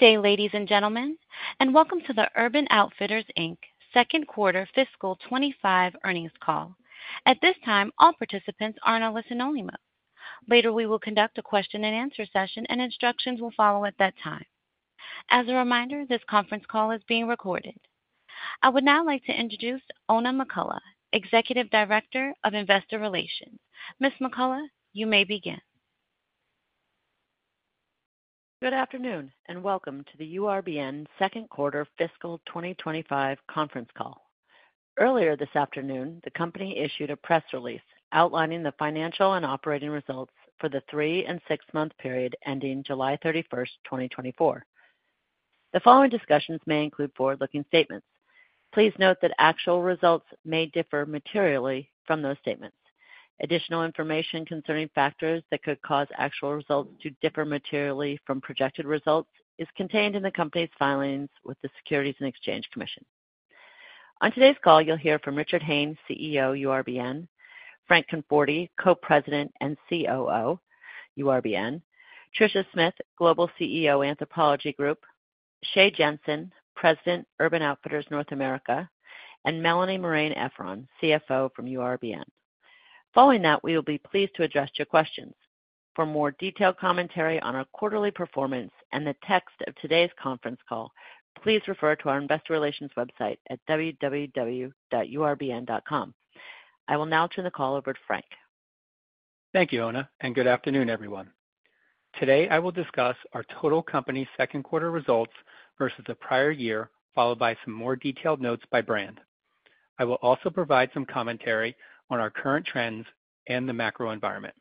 Good day, ladies and gentlemen, and welcome to the Urban Outfitters, Inc. second quarter fiscal 2025 earnings call. At this time, all participants are in a listen-only mode. Later, we will conduct a question and answer session, and instructions will follow at that time. As a reminder, this conference call is being recorded. I would now like to introduce Oona McCullough, Executive Director of Investor Relations. Ms. McCullough, you may begin. Good afternoon, and welcome to the URBN second quarter fiscal twenty twenty-five conference call. Earlier this afternoon, the company issued a press release outlining the financial and operating results for the three and six-month period ending July thirty-first, twenty twenty-four. The following discussions may include forward-looking statements. Please note that actual results may differ materially from those statements. Additional information concerning factors that could cause actual results to differ materially from projected results is contained in the company's filings with the Securities and Exchange Commission. On today's call, you'll hear from Richard Hayne, CEO, URBN; Frank Conforti, Co-president and COO, URBN; Tricia Smith, Global CEO, Anthropologie Group; Shea Jensen, President, Urban Outfitters North America; and Melanie Marein-Efron, CFO, URBN. Following that, we will be pleased to address your questions. For more detailed commentary on our quarterly performance and the text of today's conference call, please refer to our investor relations website at www.urbn.com. I will now turn the call over to Frank. Thank you, Ona, and good afternoon, everyone. Today, I will discuss our total company's second quarter results versus the prior year, followed by some more detailed notes by brand. I will also provide some commentary on our current trends and the macro environment.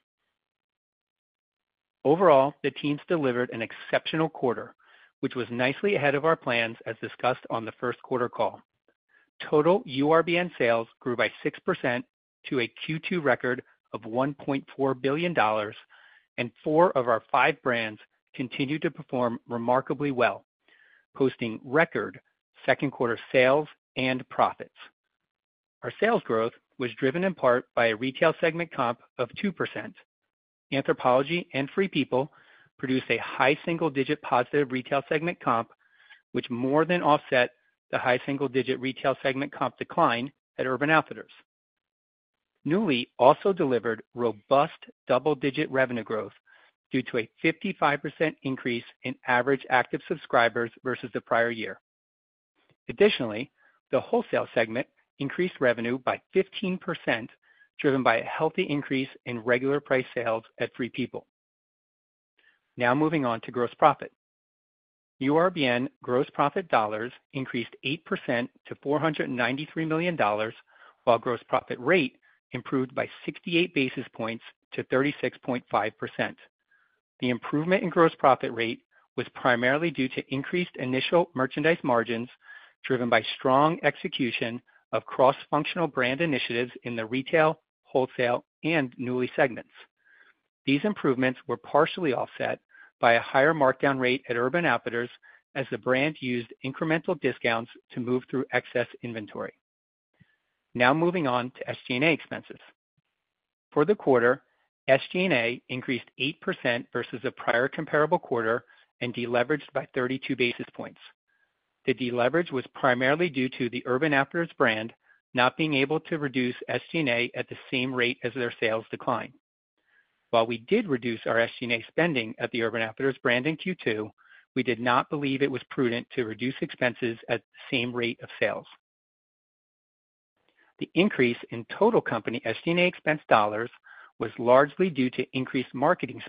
Overall, the teams delivered an exceptional quarter, which was nicely ahead of our plans, as discussed on the first quarter call. Total URBN sales grew by 6% to a Q2 record of $1.4 billion, and four of our five brands continued to perform remarkably well, posting record second quarter sales and profits. Our sales growth was driven in part by a retail segment comp of 2%. Anthropologie and Free People produced a high single-digit positive retail segment comp, which more than offset the high single-digit retail segment comp decline at Urban Outfitters. Nuuly also delivered robust double-digit revenue growth due to a 55% increase in average active subscribers versus the prior year. Additionally, the wholesale segment increased revenue by 15%, driven by a healthy increase in regular price sales at Free People. Now moving on to gross profit. URBN gross profit dollars increased 8% to $493 million, while gross profit rate improved by 68 basis points to 36.5%. The improvement in gross profit rate was primarily due to increased initial merchandise margins, driven by strong execution of cross-functional brand initiatives in the retail, wholesale, and Nuuly segments. These improvements were partially offset by a higher markdown rate at Urban Outfitters as the brand used incremental discounts to move through excess inventory. Now moving on to SG&A expenses. For the quarter, SG&A increased 8% versus the prior comparable quarter and deleveraged by 32 basis points. The deleverage was primarily due to the Urban Outfitters brand not being able to reduce SG&A at the same rate as their sales decline. While we did reduce our SG&A spending at the Urban Outfitters brand in Q2, we did not believe it was prudent to reduce expenses at the same rate of sales. The increase in total company SG&A expense dollars was largely due to increased marketing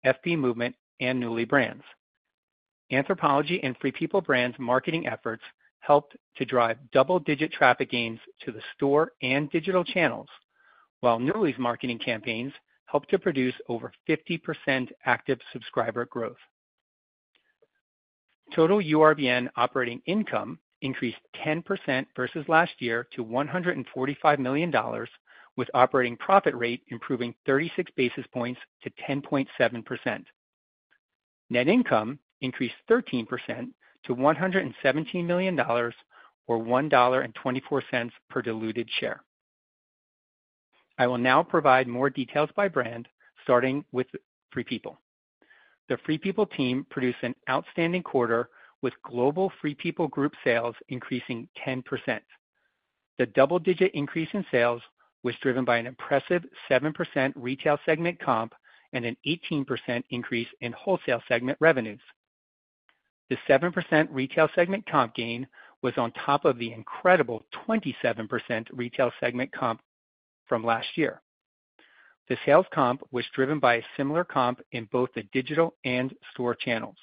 spend, supporting the solid sales growth at Anthropologie, Free People, FP Movement, and Nuuly brands. Anthropologie and Free People brands' marketing efforts helped to drive double-digit traffic gains to the store and digital channels, while Nuuly's marketing campaigns helped to produce over 50% active subscriber growth. Total URBN operating income increased 10% versus last year to $145 million, with operating profit rate improving thirty-six basis points to 10.7%. Net income increased 13% to $117 million or $1.24 per diluted share. I will now provide more details by brand, starting with Free People. The Free People team produced an outstanding quarter, with global Free People Group sales increasing 10%. The double-digit increase in sales was driven by an impressive 7% retail segment comp and an 18% increase in wholesale segment revenues. The 7% retail segment comp gain was on top of the incredible 27% retail segment comp from last year. The sales comp was driven by a similar comp in both the digital and store channels.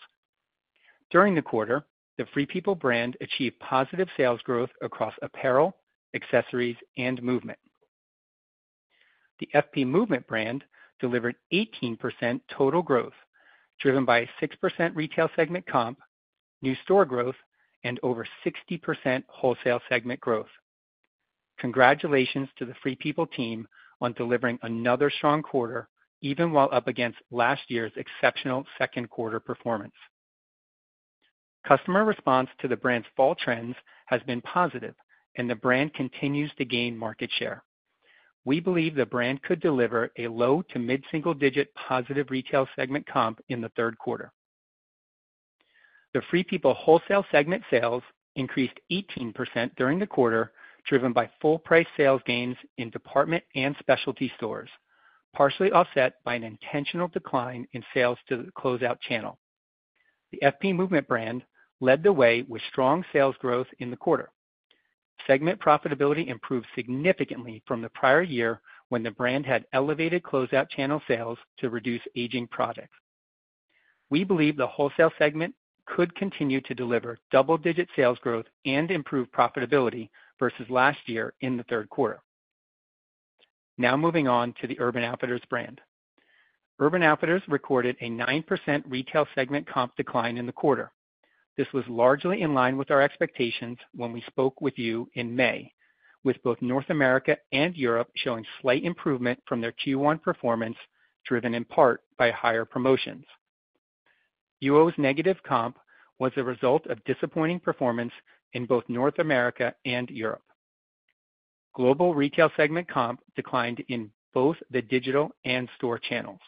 During the quarter, the Free People brand achieved positive sales growth across apparel, accessories, and movement. The FP Movement brand delivered 18% total growth, driven by a 6% retail segment comp, new store growth, and over 60% wholesale segment growth. Congratulations to the Free People team on delivering another strong quarter, even while up against last year's exceptional second quarter performance. Customer response to the brand's fall trends has been positive, and the brand continues to gain market share. We believe the brand could deliver a low to mid-single digit positive retail segment comp in the third quarter. The Free People wholesale segment sales increased 18% during the quarter, driven by full price sales gains in department and specialty stores, partially offset by an intentional decline in sales to the closeout channel. The FP Movement brand led the way with strong sales growth in the quarter. Segment profitability improved significantly from the prior year, when the brand had elevated closeout channel sales to reduce aging products. We believe the wholesale segment could continue to deliver double-digit sales growth and improve profitability versus last year in the third quarter. Now moving on to the Urban Outfitters brand. Urban Outfitters recorded a 9% retail segment comp decline in the quarter. This was largely in line with our expectations when we spoke with you in May, with both North America and Europe showing slight improvement from their Q1 performance, driven in part by higher promotions. UO's negative comp was a result of disappointing performance in both North America and Europe. Global retail segment comp declined in both the digital and store channels.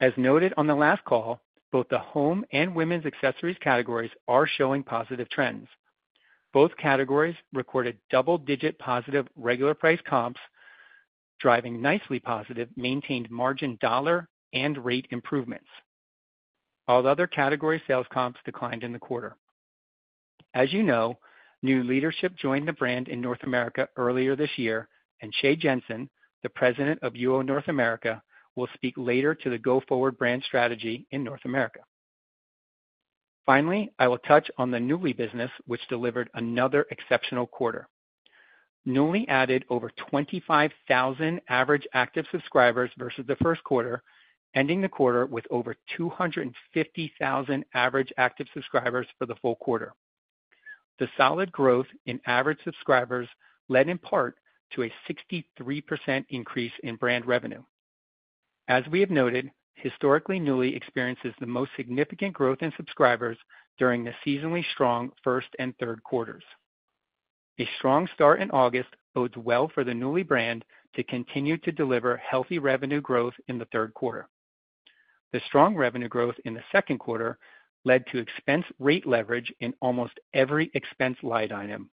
As noted on the last call, both the home and women's accessories categories are showing positive trends. Both categories recorded double-digit positive, regular price comps, driving nicely positive, maintained margin dollar and rate improvements. All other category sales comps declined in the quarter. As you know, new leadership joined the brand in North America earlier this year, and Shea Jensen, the President of UO North America, will speak later to the go-forward brand strategy in North America. Finally, I will touch on the Nuuly business, which delivered another exceptional quarter. Nuuly added over 25,000 average active subscribers versus the first quarter, ending the quarter with over 250,000 average active subscribers for the full quarter. The solid growth in average subscribers led, in part, to a 63% increase in brand revenue. As we have noted, historically, Nuuly experiences the most significant growth in subscribers during the seasonally strong first and third quarters. A strong start in August bodes well for the Nuuly brand to continue to deliver healthy revenue growth in the third quarter. The strong revenue growth in the second quarter led to expense rate leverage in almost every expense line item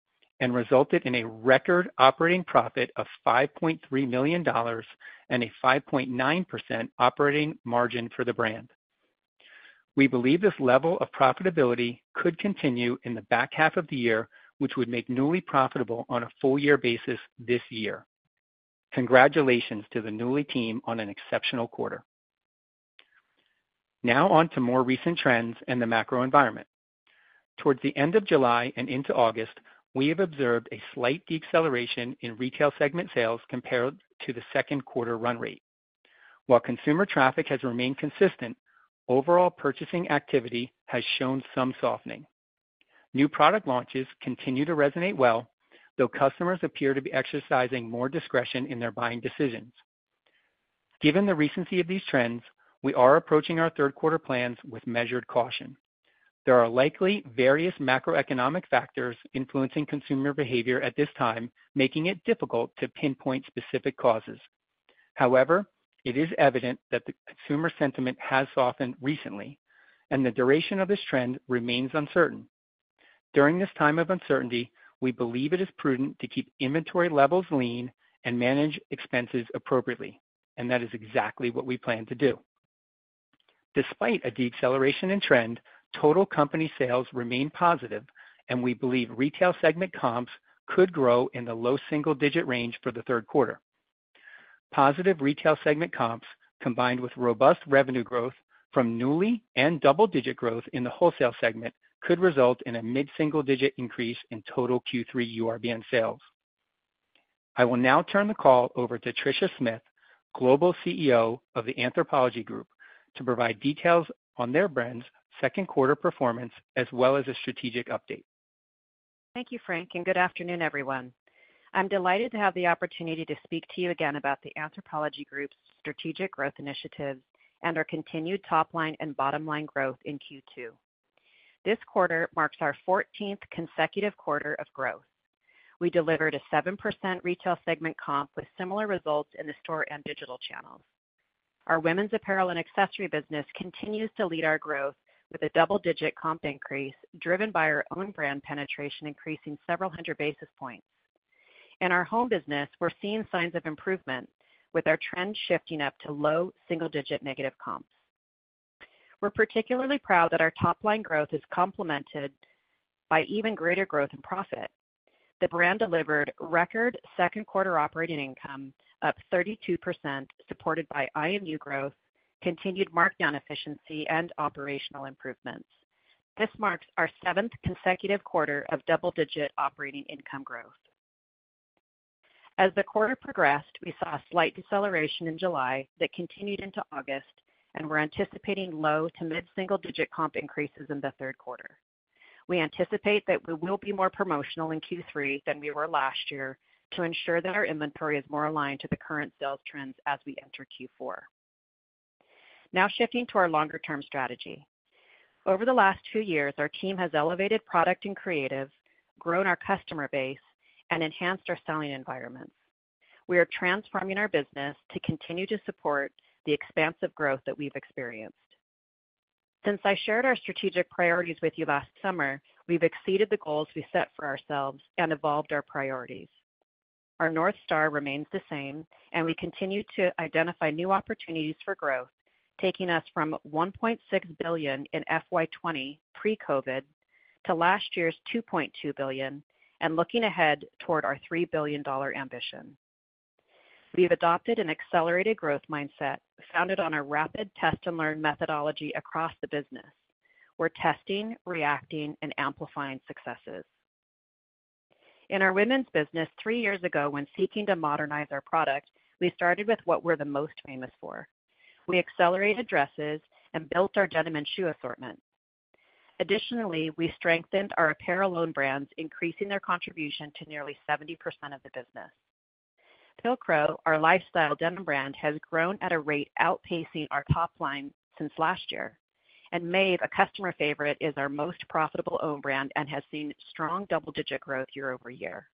and resulted in a record operating profit of $5.3 million and a 5.9% operating margin for the brand. We believe this level of profitability could continue in the back half of the year, which would make Nuuly profitable on a full year basis this year. Congratulations to the Nuuly team on an exceptional quarter. Now on to more recent trends and the macro environment. Towards the end of July and into August, we have observed a slight deceleration in retail segment sales compared to the second quarter run rate. While consumer traffic has remained consistent, overall purchasing activity has shown some softening. New product launches continue to resonate well, though customers appear to be exercising more discretion in their buying decisions. Given the recency of these trends, we are approaching our third quarter plans with measured caution. There are likely various macroeconomic factors influencing consumer behavior at this time, making it difficult to pinpoint specific causes. However, it is evident that the consumer sentiment has softened recently, and the duration of this trend remains uncertain. During this time of uncertainty, we believe it is prudent to keep inventory levels lean and manage expenses appropriately, and that is exactly what we plan to do. Despite a deceleration in trend, total company sales remain positive, and we believe retail segment comps could grow in the low single-digit range for the third quarter. Positive retail segment comps, combined with robust revenue growth from Nuuly and double-digit growth in the wholesale segment, could result in a mid-single digit increase in total Q3 URBN sales. I will now turn the call over to Tricia Smith, Global CEO of the Anthropologie Group, to provide details on their brand's second quarter performance, as well as a strategic update. Thank you, Frank, and good afternoon, everyone. I'm delighted to have the opportunity to speak to you again about the Anthropologie Group's strategic growth initiatives and our continued top-line and bottom-line growth in Q2. This quarter marks our fourteenth consecutive quarter of growth. We delivered a 7% retail segment comp with similar results in the store and digital channels. Our women's apparel and accessory business continues to lead our growth with a double-digit comp increase, driven by our own brand penetration, increasing several hundred basis points. In our home business, we're seeing signs of improvement with our trend shifting up to low single-digit negative comps. We're particularly proud that our top-line growth is complemented by even greater growth in profit. The brand delivered record second quarter operating income up 32%, supported by IMU growth, continued markdown efficiency, and operational improvements. This marks our seventh consecutive quarter of double-digit operating income growth. As the quarter progressed, we saw a slight deceleration in July that continued into August, and we're anticipating low to mid-single digit comp increases in the third quarter. We anticipate that we will be more promotional in Q3 than we were last year to ensure that our inventory is more aligned to the current sales trends as we enter Q4. Now shifting to our longer-term strategy. Over the last two years, our team has elevated product and creative, grown our customer base, and enhanced our selling environment. We are transforming our business to continue to support the expansive growth that we've experienced. Since I shared our strategic priorities with you last summer, we've exceeded the goals we set for ourselves and evolved our priorities. Our North Star remains the same, and we continue to identify new opportunities for growth, taking us from $1.6 billion in FY 2020 pre-COVID, to last year's $2.2 billion, and looking ahead toward our $3 billion ambition. We've adopted an accelerated growth mindset, founded on our rapid test-and-learn methodology across the business. We're testing, reacting, and amplifying successes. In our women's business, three years ago, when seeking to modernize our product, we started with what we're the most famous for. We accelerated dresses and built our denim and shoe assortment. Additionally, we strengthened our apparel own brands, increasing their contribution to nearly 70% of the business. Pilcrow, our lifestyle denim brand, has grown at a rate outpacing our top line since last year, and Maeve, a customer favorite, is our most profitable own brand and has seen strong double-digit growth year over year.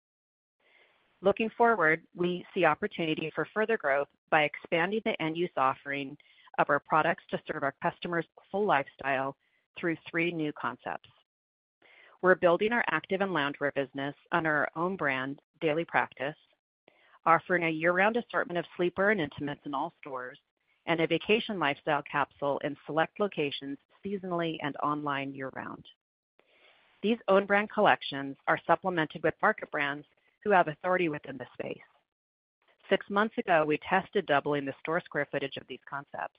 Looking forward, we see opportunity for further growth by expanding the end-use offering of our products to serve our customers' full lifestyle through three new concepts. We're building our active and loungewear business under our own brand, Daily Practice, offering a year-round assortment of sleepwear and intimates in all stores, and a vacation lifestyle capsule in select locations seasonally and online year-round. These own brand collections are supplemented with market brands who have authority within the space. Six months ago, we tested doubling the store square footage of these concepts,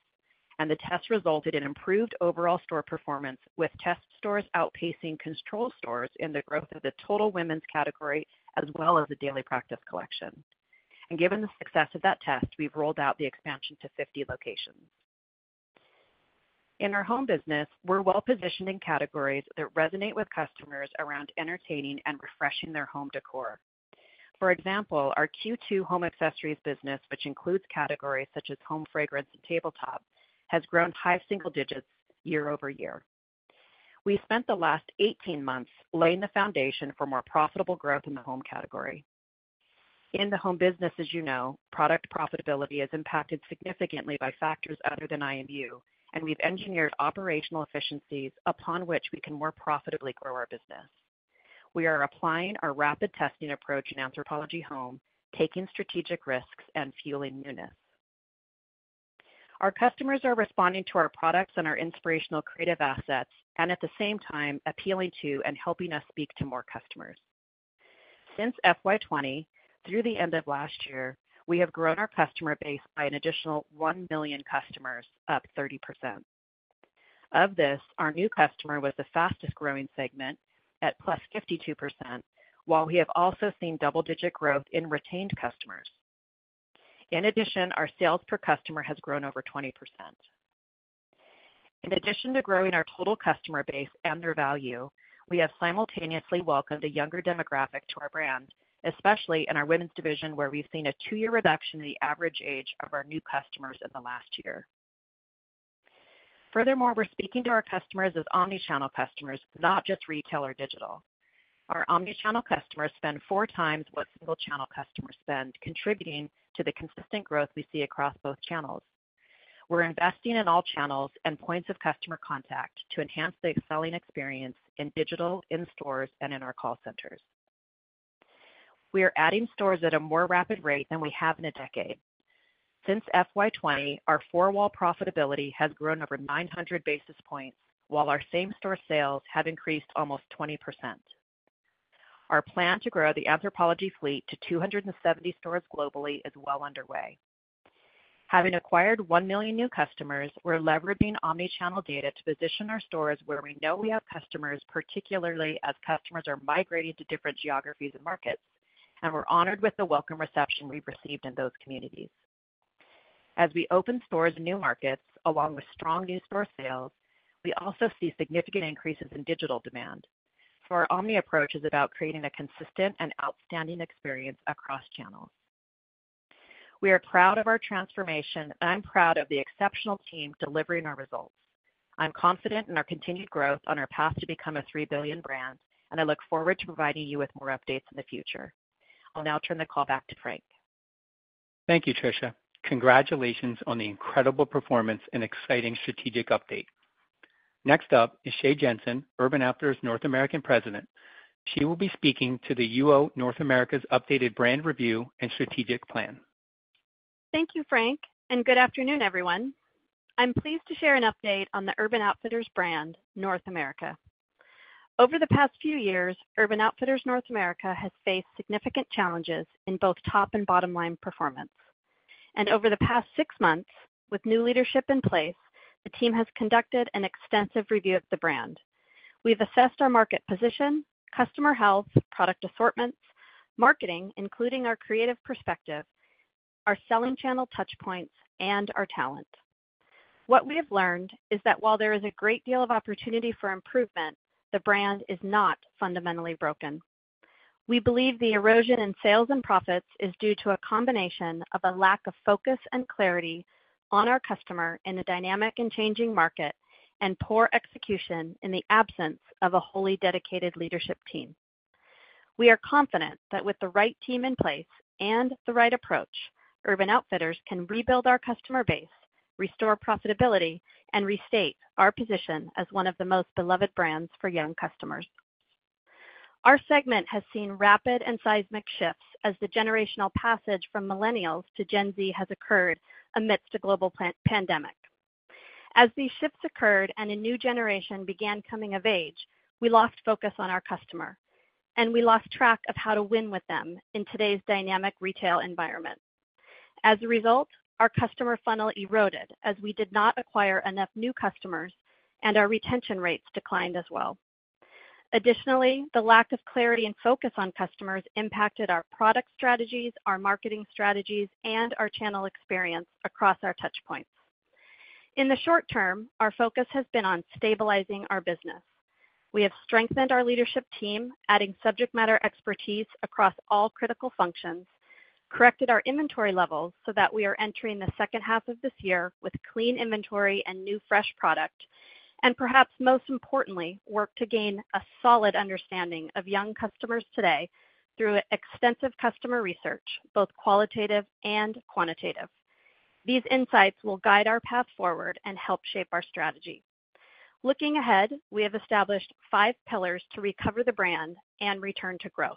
and the test resulted in improved overall store performance, with test stores outpacing control stores in the growth of the total women's category, as well as the Daily Practice collection, and given the success of that test, we've rolled out the expansion to fifty locations. In our home business, we're well positioned in categories that resonate with customers around entertaining and refreshing their home decor. For example, our Q2 home accessories business, which includes categories such as home fragrance and tabletop, has grown high single digits year over year. We spent the last eighteen months laying the foundation for more profitable growth in the home category. In the home business, as you know, product profitability is impacted significantly by factors other than IMU, and we've engineered operational efficiencies upon which we can more profitably grow our business. We are applying our rapid testing approach in Anthropologie Home, taking strategic risks and fueling newness. Our customers are responding to our products and our inspirational creative assets, and at the same time, appealing to and helping us speak to more customers. Since FY 2020, through the end of last year, we have grown our customer base by an additional one million customers, up 30%. Of this, our new customer was the fastest-growing segment at +52%, while we have also seen double-digit growth in retained customers. In addition, our sales per customer has grown over 20%. In addition to growing our total customer base and their value, we have simultaneously welcomed a younger demographic to our brand, especially in our women's division, where we've seen a two-year reduction in the average age of our new customers in the last year. Furthermore, we're speaking to our customers as omni-channel customers, not just retail or digital. Our omni-channel customers spend four times what single-channel customers spend, contributing to the consistent growth we see across both channels. We're investing in all channels and points of customer contact to enhance the selling experience in digital, in stores, and in our call centers. We are adding stores at a more rapid rate than we have in a decade. Since FY 2020, our four-wall profitability has grown over 900 basis points, while our same-store sales have increased almost 20%. Our plan to grow the Anthropologie fleet to 270 stores globally is well underway. Having acquired 1 million new customers, we're leveraging omni-channel data to position our stores where we know we have customers, particularly as customers are migrating to different geographies and markets, and we're honored with the welcome reception we've received in those communities. As we open stores in new markets, along with strong new store sales, we also see significant increases in digital demand. For our omni approach is about creating a consistent and outstanding experience across channels. We are proud of our transformation, and I'm proud of the exceptional team delivering our results. I'm confident in our continued growth on our path to become a three billion brand, and I look forward to providing you with more updates in the future. I'll now turn the call back to Frank. Thank you, Tricia. Congratulations on the incredible performance and exciting strategic update. Next up is Shea Jensen, Urban Outfitters North America President. She will be speaking to the UO North America's updated brand review and strategic plan. Thank you, Frank, and good afternoon, everyone. I'm pleased to share an update on the Urban Outfitters brand, North America. Over the past few years, Urban Outfitters North America has faced significant challenges in both top and bottom-line performance, and over the past six months, with new leadership in place, the team has conducted an extensive review of the brand. We've assessed our market position, customer health, product assortments, marketing, including our creative perspective, our selling channel touchpoints, and our talent. ...What we have learned is that while there is a great deal of opportunity for improvement, the brand is not fundamentally broken. We believe the erosion in sales and profits is due to a combination of a lack of focus and clarity on our customer in a dynamic and changing market, and poor execution in the absence of a wholly dedicated leadership team. We are confident that with the right team in place and the right approach, Urban Outfitters can rebuild our customer base, restore profitability, and restate our position as one of the most beloved brands for young customers. Our segment has seen rapid and seismic shifts as the generational passage from Millennials to Gen Z has occurred amidst a global pandemic. As these shifts occurred and a new generation began coming of age, we lost focus on our customer, and we lost track of how to win with them in today's dynamic retail environment. As a result, our customer funnel eroded as we did not acquire enough new customers, and our retention rates declined as well. Additionally, the lack of clarity and focus on customers impacted our product strategies, our marketing strategies, and our channel experience across our touchpoints. In the short term, our focus has been on stabilizing our business. We have strengthened our leadership team, adding subject matter expertise across all critical functions, corrected our inventory levels so that we are entering the second half of this year with clean inventory and new, fresh product, and perhaps most importantly, work to gain a solid understanding of young customers today through extensive customer research, both qualitative and quantitative. These insights will guide our path forward and help shape our strategy. Looking ahead, we have established five pillars to recover the brand and return to growth.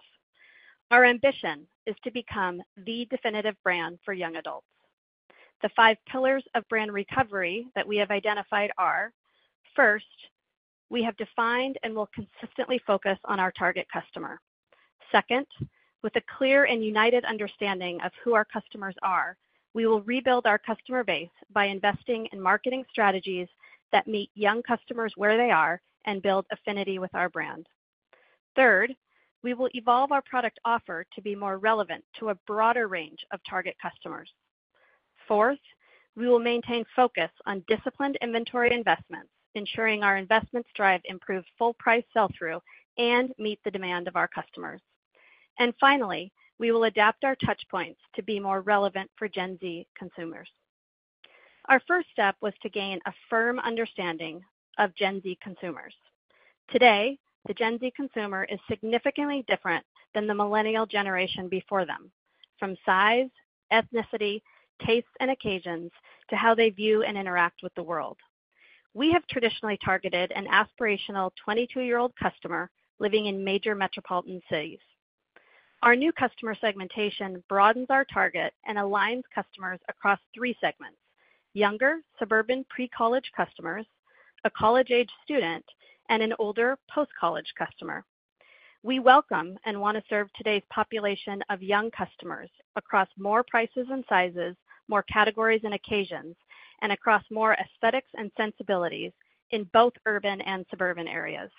Our ambition is to become the definitive brand for young adults. The five pillars of brand recovery that we have identified are: first, we have defined and will consistently focus on our target customer. Second, with a clear and united understanding of who our customers are, we will rebuild our customer base by investing in marketing strategies that meet young customers where they are and build affinity with our brand. Third, we will evolve our product offer to be more relevant to a broader range of target customers. Fourth, we will maintain focus on disciplined inventory investments, ensuring our investments drive improved full price sell-through and meet the demand of our customers. And finally, we will adapt our touchpoints to be more relevant for Gen Z consumers. Our first step was to gain a firm understanding of Gen Z consumers. Today, the Gen Z consumer is significantly different than the millennial generation before them, from size, ethnicity, tastes, and occasions to how they view and interact with the world. We have traditionally targeted an aspirational twenty-two-year-old customer living in major metropolitan cities. Our new customer segmentation broadens our target and aligns customers across three segments: younger, suburban, pre-college customers, a college-age student, and an older post-college customer. We welcome and want to serve today's population of young customers across more prices and sizes, more categories and occasions, and across more aesthetics and sensibilities in both urban and suburban areas.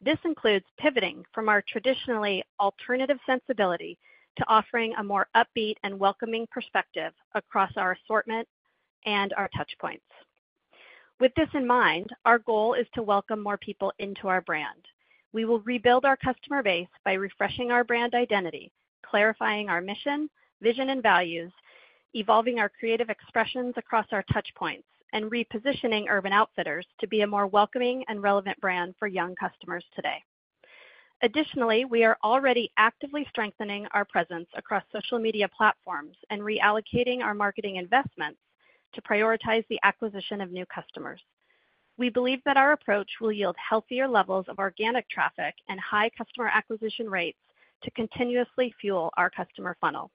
This includes pivoting from our traditionally alternative sensibility to offering a more upbeat and welcoming perspective across our assortment and our touchpoints. With this in mind, our goal is to welcome more people into our brand. We will rebuild our customer base by refreshing our brand identity, clarifying our mission, vision, and values, evolving our creative expressions across our touchpoints, and repositioning Urban Outfitters to be a more welcoming and relevant brand for young customers today. Additionally, we are already actively strengthening our presence across social media platforms and reallocating our marketing investments to prioritize the acquisition of new customers. We believe that our approach will yield healthier levels of organic traffic and high customer acquisition rates to continuously fuel our customer funnel.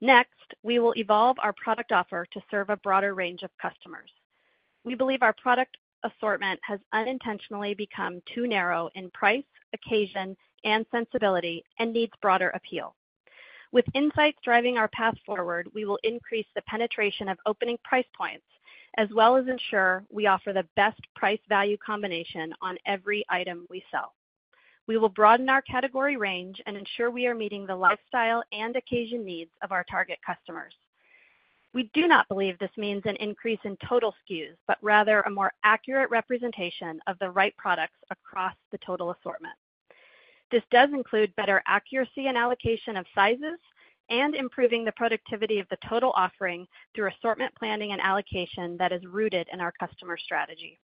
Next, we will evolve our product offer to serve a broader range of customers. We believe our product assortment has unintentionally become too narrow in price, occasion, and sensibility, and needs broader appeal. With insights driving our path forward, we will increase the penetration of opening price points, as well as ensure we offer the best price-value combination on every item we sell. We will broaden our category range and ensure we are meeting the lifestyle and occasion needs of our target customers. We do not believe this means an increase in total SKUs, but rather a more accurate representation of the right products across the total assortment. This does include better accuracy and allocation of sizes and improving the productivity of the total offering through assortment, planning, and allocation that is rooted in our customer strategy.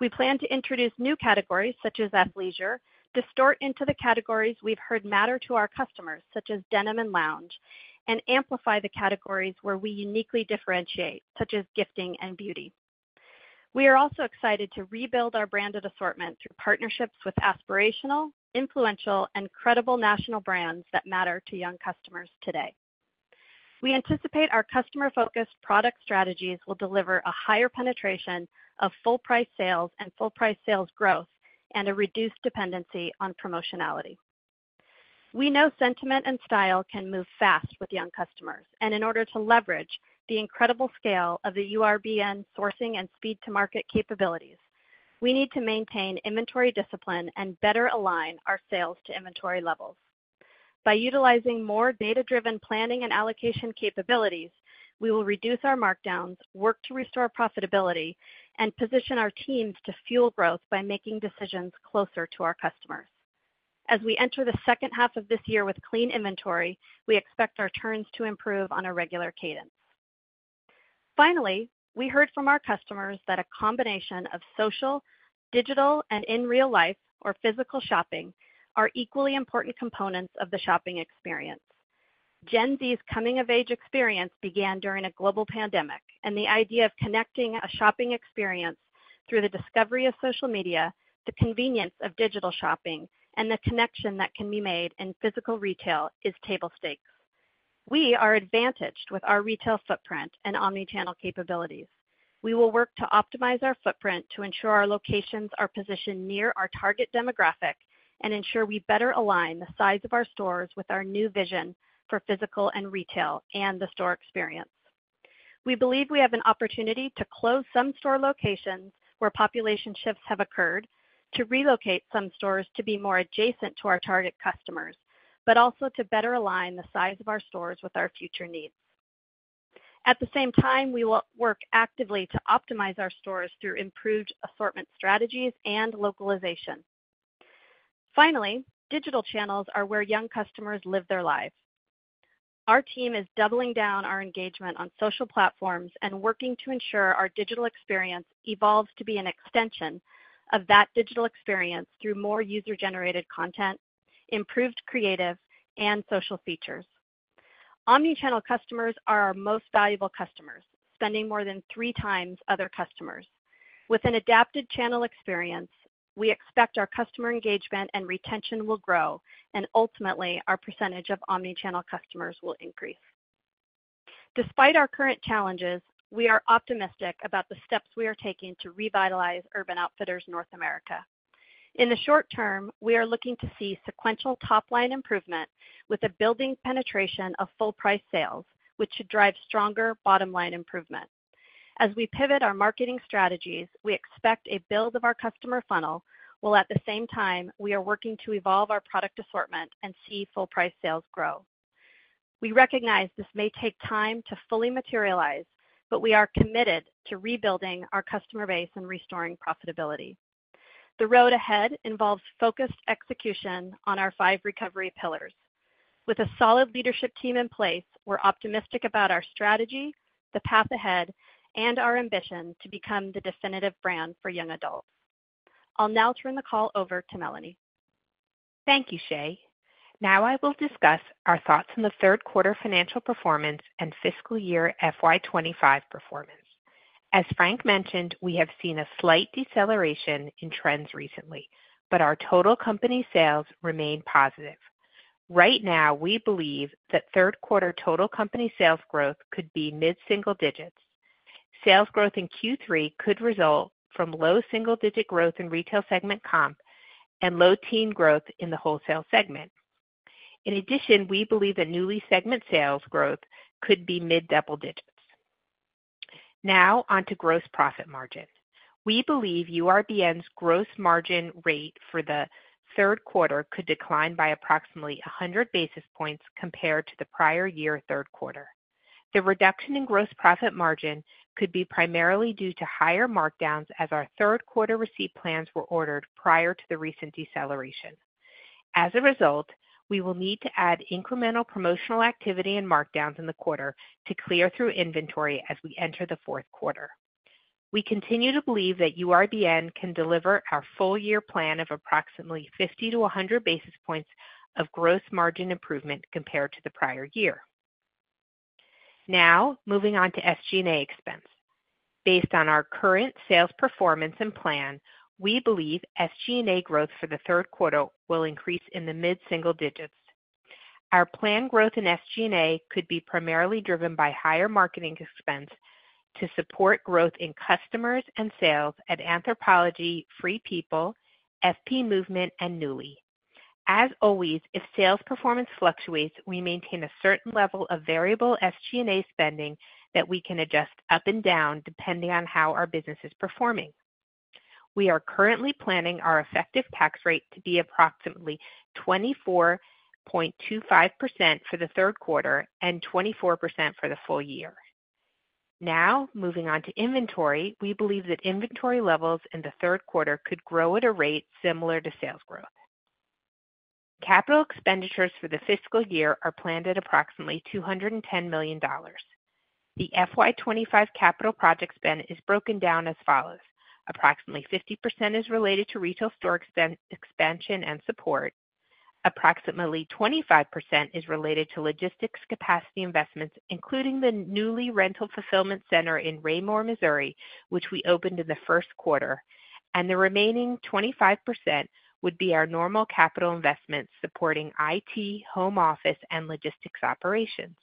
We plan to introduce new categories, such as athleisure, insert into the categories we've heard matter to our customers, such as denim and lounge, and amplify the categories where we uniquely differentiate, such as gifting and beauty. We are also excited to rebuild our branded assortment through partnerships with aspirational, influential, and credible national brands that matter to young customers today. We anticipate our customer-focused product strategies will deliver a higher penetration of full price sales and full price sales growth, and a reduced dependency on promotionality. We know sentiment and style can move fast with young customers, and in order to leverage the incredible scale of the URBN sourcing and speed-to-market capabilities, we need to maintain inventory discipline and better align our sales to inventory levels. By utilizing more data-driven planning and allocation capabilities, we will reduce our markdowns, work to restore profitability, and position our teams to fuel growth by making decisions closer to our customers. As we enter the second half of this year with clean inventory, we expect our turns to improve on a regular cadence. Finally, we heard from our customers that a combination of social, digital, and in real life or physical shopping, are equally important components of the shopping experience. Gen Z's coming-of-age experience began during a global pandemic, and the idea of connecting a shopping experience through the discovery of social media, the convenience of digital shopping, and the connection that can be made in physical retail is table stakes. We are advantaged with our retail footprint and omni-channel capabilities. We will work to optimize our footprint to ensure our locations are positioned near our target demographic, and ensure we better align the size of our stores with our new vision for physical and retail and the store experience. We believe we have an opportunity to close some store locations where population shifts have occurred, to relocate some stores to be more adjacent to our target customers, but also to better align the size of our stores with our future needs. At the same time, we will work actively to optimize our stores through improved assortment strategies and localization. Finally, digital channels are where young customers live their lives. Our team is doubling down our engagement on social platforms and working to ensure our digital experience evolves to be an extension of that digital experience through more user-generated content, improved creative, and social features. Omni-channel customers are our most valuable customers, spending more than three times other customers. With an adapted channel experience, we expect our customer engagement and retention will grow, and ultimately, our percentage of omni-channel customers will increase. Despite our current challenges, we are optimistic about the steps we are taking to revitalize Urban Outfitters North America. In the short term, we are looking to see sequential top-line improvement with a building penetration of full price sales, which should drive stronger bottom-line improvement. As we pivot our marketing strategies, we expect a build of our customer funnel, while at the same time, we are working to evolve our product assortment and see full price sales grow. We recognize this may take time to fully materialize, but we are committed to rebuilding our customer base and restoring profitability. The road ahead involves focused execution on our five recovery pillars. With a solid leadership team in place, we're optimistic about our strategy, the path ahead, and our ambition to become the definitive brand for young adults. I'll now turn the call over to Melanie. Thank you, Shae. Now I will discuss our thoughts on the third quarter financial performance and fiscal year FY 2025 performance. As Frank mentioned, we have seen a slight deceleration in trends recently, but our total company sales remain positive. Right now, we believe that third quarter total company sales growth could be mid-single digits. Sales growth in Q3 could result from low single-digit growth in retail segment comp and low teen growth in the wholesale segment. In addition, we believe that Nuuly segment sales growth could be mid-double digits. Now on to gross profit margin. We believe URBN's gross margin rate for the third quarter could decline by approximately 100 basis points compared to the prior year third quarter. The reduction in gross profit margin could be primarily due to higher markdowns as our third quarter receipt plans were ordered prior to the recent deceleration. As a result, we will need to add incremental promotional activity and markdowns in the quarter to clear through inventory as we enter the fourth quarter. We continue to believe that URBN can deliver our full-year plan of approximately fifty to a hundred basis points of gross margin improvement compared to the prior year. Now, moving on to SG&A expense. Based on our current sales performance and plan, we believe SG&A growth for the third quarter will increase in the mid-single digits. Our planned growth in SG&A could be primarily driven by higher marketing expense to support growth in customers and sales at Anthropologie, Free People, FP Movement, and Nuuly. As always, if sales performance fluctuates, we maintain a certain level of variable SG&A spending that we can adjust up and down, depending on how our business is performing. We are currently planning our effective tax rate to be approximately 24.25% for the third quarter and 24% for the full year. Now, moving on to inventory. We believe that inventory levels in the third quarter could grow at a rate similar to sales growth. Capital expenditures for the fiscal year are planned at approximately $210 million. The FY 2025 capital project spend is broken down as follows: approximately 50% is related to retail store expansion and support, approximately 25% is related to logistics capacity investments, including the new rental fulfillment center in Raymore, Missouri, which we opened in the first quarter, and the remaining 25% would be our normal capital investments supporting IT, home office, and logistics operations.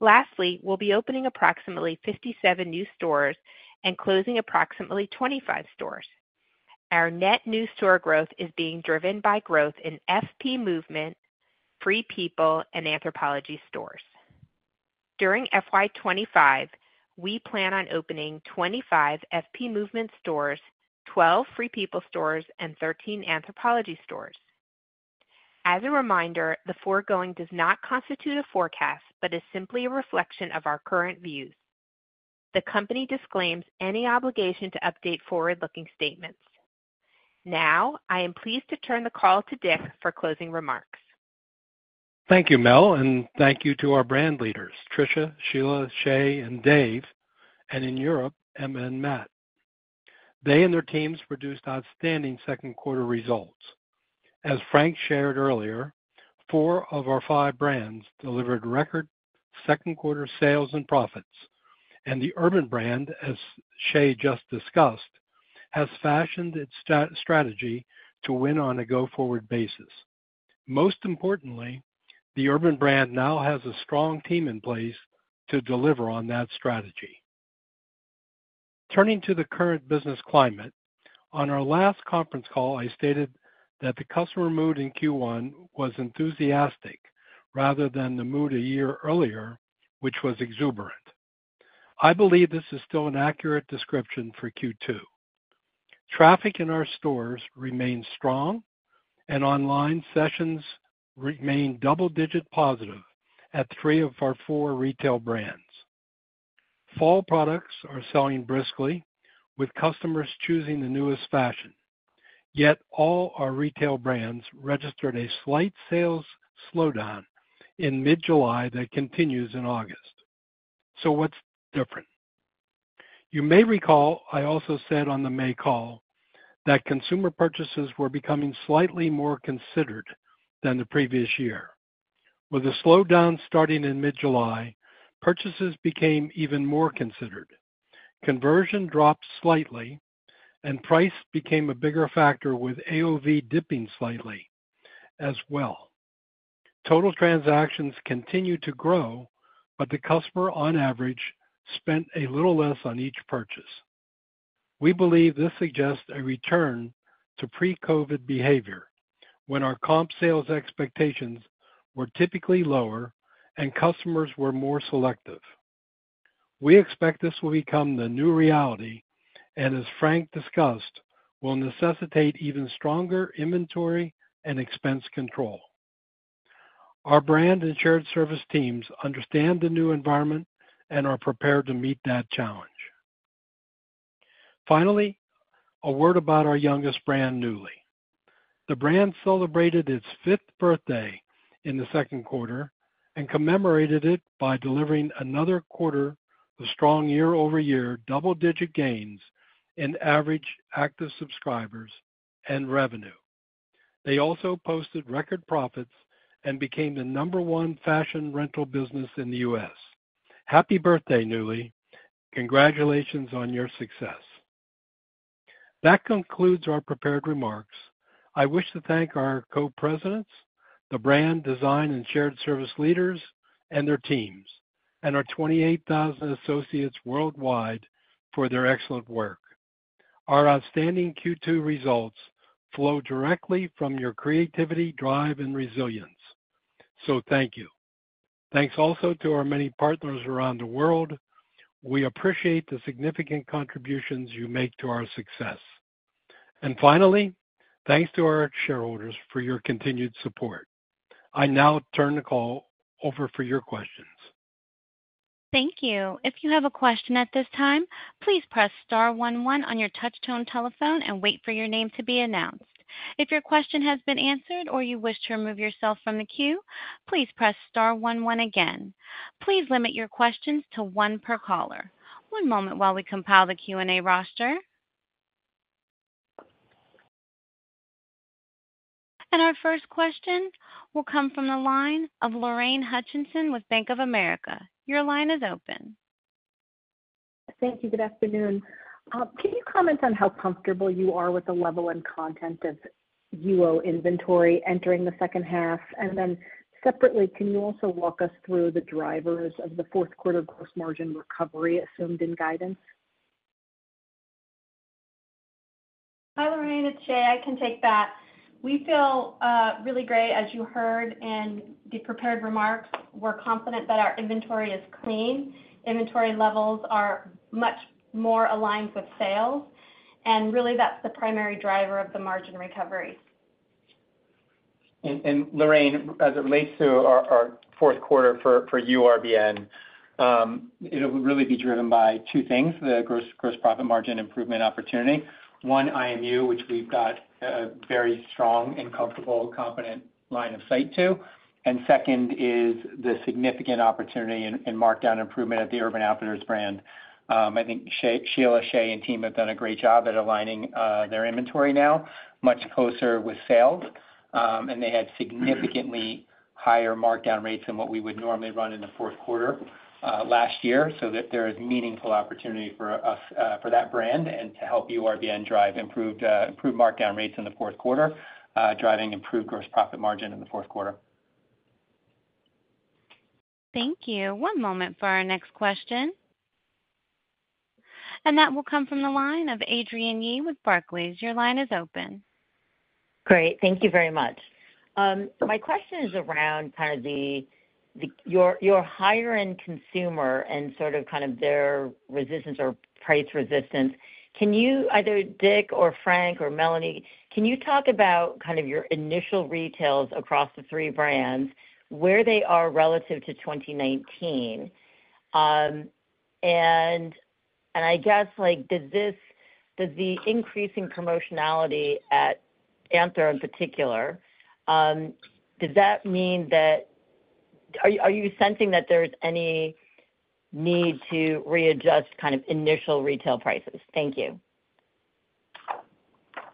Lastly, we'll be opening approximately 57 new stores and closing approximately 25 stores. Our net new store growth is being driven by growth in FP Movement, Free People, and Anthropologie stores. During FY twenty-five, we plan on opening twenty-five FP Movement stores, twelve Free People stores, and thirteen Anthropologie stores. As a reminder, the foregoing does not constitute a forecast, but is simply a reflection of our current views. The company disclaims any obligation to update forward-looking statements. Now, I am pleased to turn the call to Dick for closing remarks. Thank you, Mel, and thank you to our brand leaders, Tricia, Sheila, Shae, and Dave, and in Europe, Emma and Matt. They and their teams produced outstanding second quarter results. As Frank shared earlier, four of our five brands delivered record second quarter sales and profits, and the Urban brand, as Shae just discussed, has fashioned its strategy to win on a go-forward basis. Most importantly, the Urban brand now has a strong team in place to deliver on that strategy. Turning to the current business climate, on our last conference call, I stated that the customer mood in Q1 was enthusiastic rather than the mood a year earlier, which was exuberant. I believe this is still an accurate description for Q2. Traffic in our stores remains strong, and online sessions remain double digit positive at three of our four retail brands. Fall products are selling briskly, with customers choosing the newest fashion. Yet all our retail brands registered a slight sales slowdown in mid-July that continues in August. So what's different? You may recall, I also said on the May call that consumer purchases were becoming slightly more considered than the previous year. With a slowdown starting in mid-July, purchases became even more considered. Conversion dropped slightly, and price became a bigger factor, with AOV dipping slightly as well. Total transactions continued to grow, but the customer, on average, spent a little less on each purchase. We believe this suggests a return to pre-COVID behavior, when our comp sales expectations were typically lower and customers were more selective. We expect this will become the new reality and, as Frank discussed, will necessitate even stronger inventory and expense control. Our brand and shared service teams understand the new environment and are prepared to meet that challenge. Finally, a word about our youngest brand, Nuuly. The brand celebrated its fifth birthday in the second quarter and commemorated it by delivering another quarter of strong year-over-year double-digit gains in average active subscribers and revenue. They also posted record profits and became the number one fashion rental business in the U.S. Happy birthday, Nuuly. Congratulations on your success. That concludes our prepared remarks. I wish to thank our co-presidents, the brand, design, and shared service leaders and their teams, and our 28,000 associates worldwide for their excellent work. Our outstanding Q2 results flow directly from your creativity, drive, and resilience, so thank you. Thanks also to our many partners around the world. We appreciate the significant contributions you make to our success. Finally, thanks to our shareholders for your continued support. I now turn the call over for your questions. Thank you. If you have a question at this time, please press star one one on your touchtone telephone and wait for your name to be announced. If your question has been answered or you wish to remove yourself from the queue, please press star one one again. Please limit your questions to one per caller. One moment while we compile the Q&A roster. And our first question will come from the line of Lorraine Hutchinson with Bank of America. Your line is open. Thank you. Good afternoon. Can you comment on how comfortable you are with the level and content of UO inventory entering the second half? And then separately, can you also walk us through the drivers of the fourth quarter gross margin recovery assumed in guidance? Hi, Lorraine, it's Shae. I can take that. We feel really great. As you heard in the prepared remarks, we're confident that our inventory is clean. Inventory levels are much more aligned with sales, and really, that's the primary driver of the margin recovery. Lorraine, as it relates to our fourth quarter for URBN, it'll really be driven by two things: the gross profit margin improvement opportunity, one, IMU, which we've got a very strong and comfortable, confident line of sight to, and second is the significant opportunity in markdown improvement at the Urban Outfitters brand. I think Shae, Sheila, and team have done a great job at aligning their inventory now much closer with sales. They had significantly higher markdown rates than what we would normally run in the fourth quarter last year, so that there is meaningful opportunity for us for that brand and to help URBN drive improved markdown rates in the fourth quarter, driving improved gross profit margin in the fourth quarter. Thank you. One moment for our next question.... And that will come from the line of Adrienne Yih with Barclays. Your line is open. Great. Thank you very much. My question is around kind of the your higher end consumer and sort of, kind of their resistance or price resistance. Can you, either Dick or Frank or Melanie, can you talk about kind of your initial retails across the three brands, where they are relative to twenty nineteen? And, and I guess, like, does the increasing promotionality at Anthro in particular, does that mean that... Are you sensing that there's any need to readjust kind of initial retail prices? Thank you.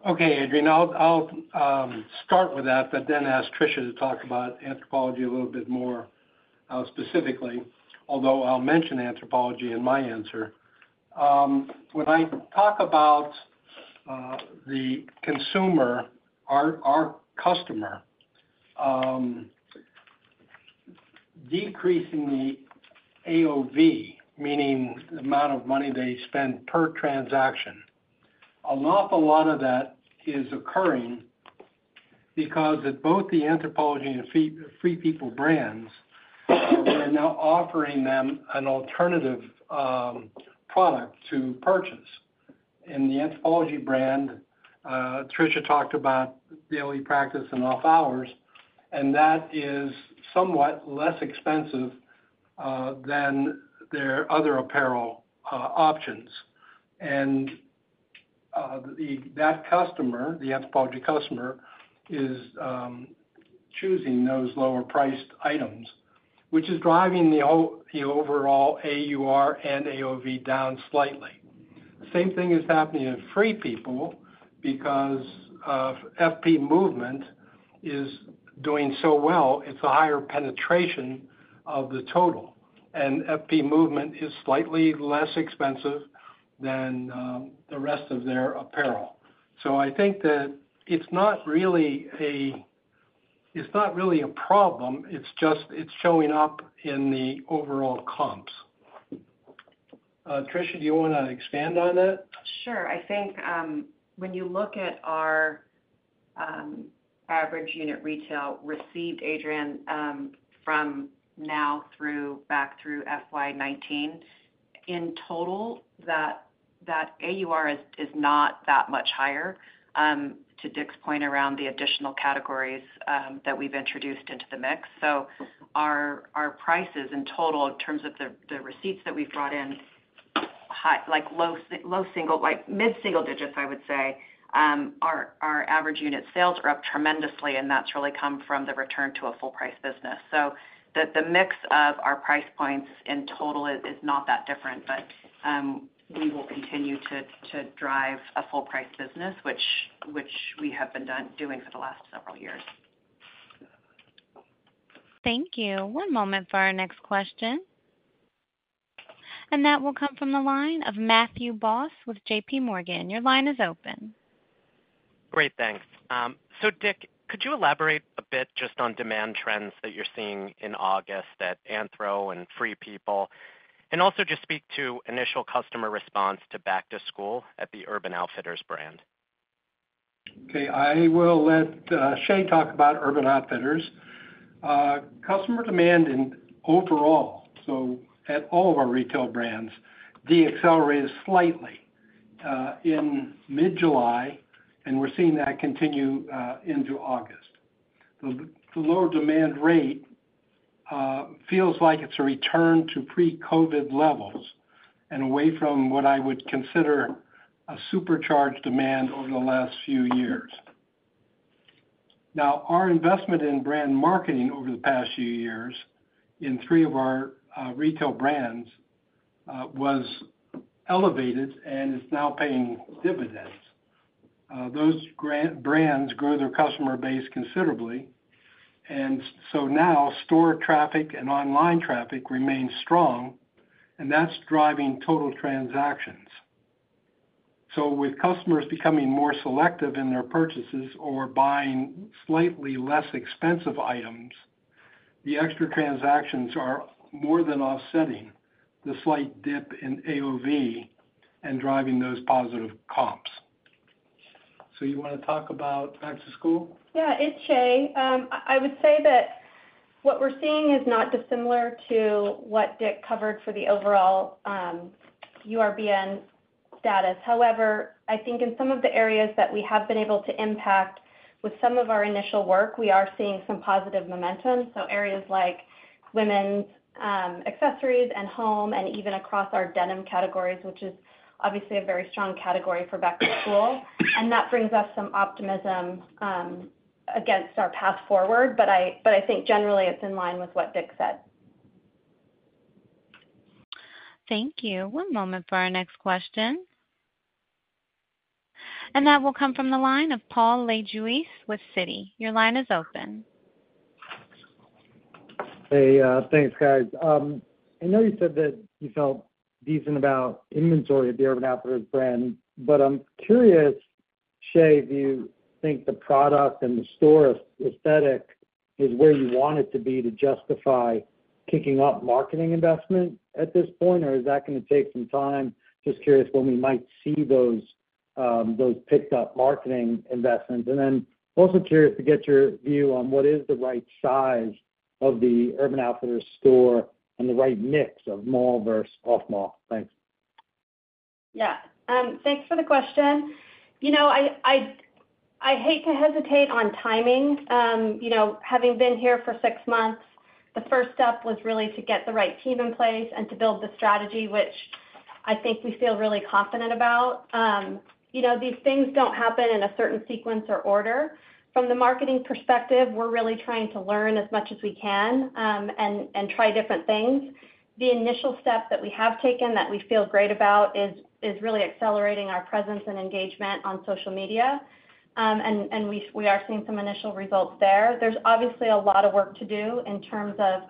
Okay, Adrienne, I'll start with that, but then ask Tricia to talk about Anthropologie a little bit more, specifically, although I'll mention Anthropologie in my answer. When I talk about the consumer, our customer, decreasing the AOV, meaning the amount of money they spend per transaction, an awful lot of that is occurring because at both the Anthropologie and Free People brands, we're now offering them an alternative product to purchase. In the Anthropologie brand, Tricia talked about Daily Practice and Off Hours, and that is somewhat less expensive than their other apparel options, and that customer, the Anthropologie customer, is choosing those lower priced items, which is driving the overall AUR and AOV down slightly. Same thing is happening in Free People because of FP Movement is doing so well, it's a higher penetration of the total, and FP Movement is slightly less expensive than the rest of their apparel. So I think that it's not really a problem, it's just showing up in the overall comps. Tricia, do you wanna expand on that? Sure. I think, when you look at our average unit retail received, Adrienne, from now through back through FY 2019, in total, that AUR is not that much higher, to Dick's point around the additional categories that we've introduced into the mix. So our prices in total, in terms of the receipts that we've brought in, high-like, low single, like mid-single digits, I would say. Our average unit sales are up tremendously, and that's really come from the return to a full price business. So the mix of our price points in total is not that different. But we will continue to drive a full price business, which we have been doing for the last several years. Thank you. One moment for our next question, and that will come from the line of Matthew Boss with J.P. Morgan. Your line is open. Great, thanks. So Dick, could you elaborate a bit just on demand trends that you're seeing in August at Anthro and Free People, and also just speak to initial customer response to back to school at the Urban Outfitters brand? Okay, I will let Shae talk about Urban Outfitters. Customer demand overall, so at all of our retail brands, decelerated slightly in mid-July, and we're seeing that continue into August. The lower demand rate feels like it's a return to pre-COVID levels and away from what I would consider a supercharged demand over the last few years. Now, our investment in brand marketing over the past few years in three of our retail brands was elevated and is now paying dividends. Those brands grew their customer base considerably, and so now store traffic and online traffic remains strong, and that's driving total transactions. So with customers becoming more selective in their purchases or buying slightly less expensive items, the extra transactions are more than offsetting the slight dip in AOV and driving those positive comps. So you wanna talk about back to school? Yeah, it's Shae. I would say that what we're seeing is not dissimilar to what Dick covered for the overall URBN status. However, I think in some of the areas that we have been able to impact with some of our initial work, we are seeing some positive momentum. So areas like women's accessories and home, and even across our denim categories, which is obviously a very strong category for back to school. And that brings us some optimism against our path forward. But I think generally it's in line with what Dick said. Thank you. One moment for our next question. And that will come from the line of Paul Lejuez with Citi. Your line is open. Hey, thanks, guys. I know you said that you felt decent about inventory at the Urban Outfitters brand, but I'm curious-... Shae, do you think the product and the store aesthetic is where you want it to be to justify kicking up marketing investment at this point, or is that gonna take some time? Just curious when we might see those, those picked up marketing investments. And then also curious to get your view on what is the right size of the Urban Outfitters store and the right mix of mall versus off-mall. Thanks. Yeah. Thanks for the question. You know, I hate to hesitate on timing. You know, having been here for six months, the first step was really to get the right team in place and to build the strategy, which I think we feel really confident about. You know, these things don't happen in a certain sequence or order. From the marketing perspective, we're really trying to learn as much as we can, and try different things. The initial step that we have taken that we feel great about is really accelerating our presence and engagement on social media, and we are seeing some initial results there. There's obviously a lot of work to do in terms of,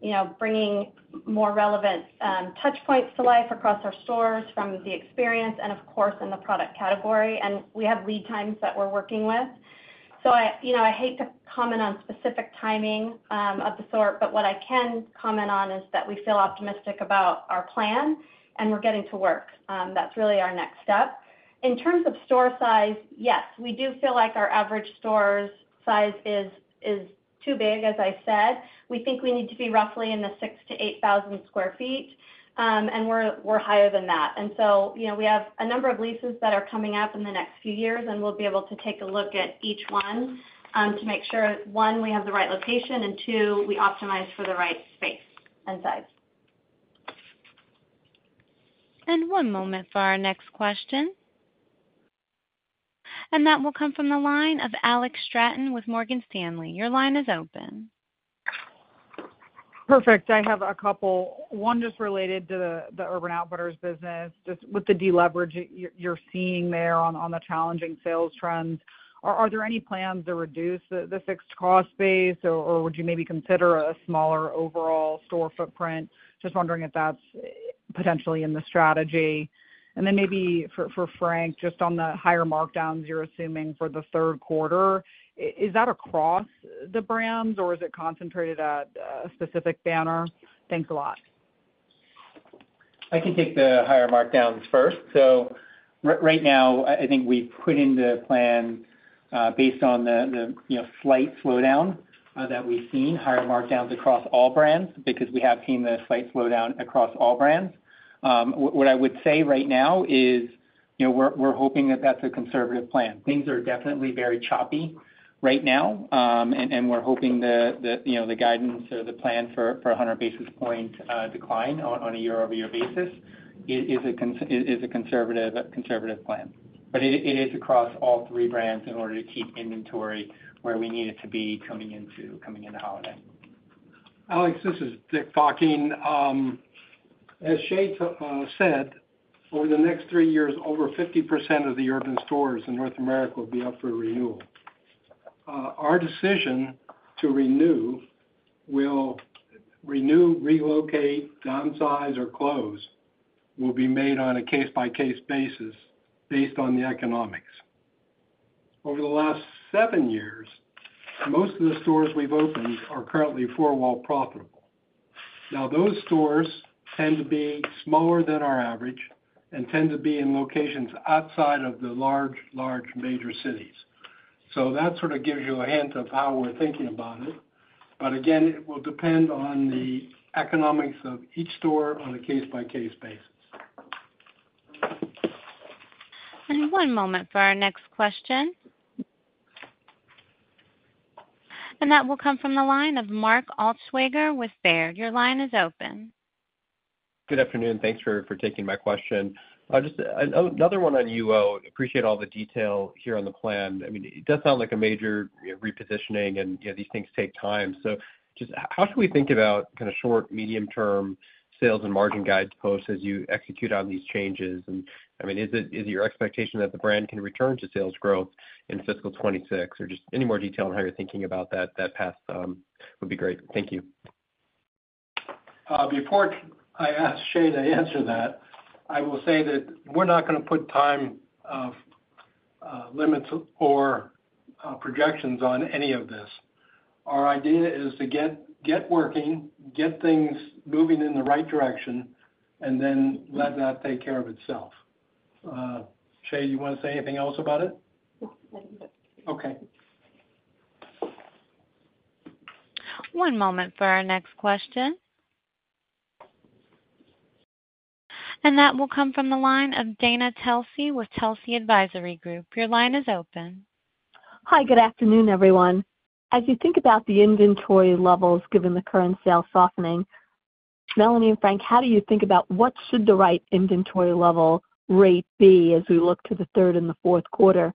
you know, bringing more relevant touch points to life across our stores from the experience and, of course, in the product category, and we have lead times that we're working with. So I, you know, I hate to comment on specific timing of the sort, but what I can comment on is that we feel optimistic about our plan, and we're getting to work. That's really our next step. In terms of store size, yes, we do feel like our average store's size is too big, as I said. We think we need to be roughly in the six to eight thousand sq ft, and we're higher than that. So, you know, we have a number of leases that are coming up in the next few years, and we'll be able to take a look at each one, to make sure, one, we have the right location, and two, we optimize for the right space and size. One moment for our next question. That will come from the line of Alex Straton with Morgan Stanley. Your line is open. Perfect. I have a couple. One just related to the Urban Outfitters business. Just with the deleverage you're seeing there on the challenging sales trends, are there any plans to reduce the fixed cost base, or would you maybe consider a smaller overall store footprint? Just wondering if that's potentially in the strategy. And then maybe for Frank, just on the higher markdowns you're assuming for the third quarter, is that across the brands, or is it concentrated at a specific banner? Thanks a lot. I can take the higher markdowns first. So right now, I think we've put in the plan, based on the, you know, slight slowdown that we've seen, higher markdowns across all brands because we have seen the slight slowdown across all brands. What I would say right now is, you know, we're hoping that that's a conservative plan. Things are definitely very choppy right now, and we're hoping the, you know, the guidance or the plan for a hundred basis point decline on a year-over-year basis is a conservative plan. But it is across all three brands in order to keep inventory where we need it to be coming into holiday. Alex, this is Dick Hayne. As Shae said, over the next three years, over 50% of the Urban stores in North America will be up for renewal. Our decision to renew, relocate, downsize, or close will be made on a case-by-case basis based on the economics. Over the last seven years, most of the stores we've opened are currently four-wall profitable. Now, those stores tend to be smaller than our average and tend to be in locations outside of the large major cities. So that sort of gives you a hint of how we're thinking about it. But again, it will depend on the economics of each store on a case-by-case basis. And one moment for our next question. And that will come from the line of Mark Altschwager with Baird. Your line is open. Good afternoon. Thanks for taking my question. Just another one on UO. Appreciate all the detail here on the plan. I mean, it does sound like a major repositioning, and, you know, these things take time. So just how should we think about kind of short, medium term sales and margin guides post as you execute on these changes? And, I mean, is your expectation that the brand can return to sales growth in fiscal 2026, or just any more detail on how you're thinking about that path would be great. Thank you. Before I ask Shae to answer that, I will say that we're not gonna put time limits or projections on any of this. Our idea is to get working, get things moving in the right direction, and then let that take care of itself. Shae, you wanna say anything else about it? No, that's it. Okay. One moment for our next question. And that will come from the line of Dana Telsey with Telsey Advisory Group. Your line is open. Hi, good afternoon, everyone. As you think about the inventory levels, given the current sales softening, Melanie and Frank, how do you think about what should the right inventory level rate be as we look to the third and the fourth quarter?